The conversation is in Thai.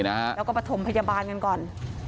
แล้วก็ประถมพยาบาลกันก่อน